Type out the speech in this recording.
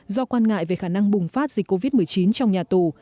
do quan ngại về khả năng bùng phát dịch covid một mươi chín trong nhà tù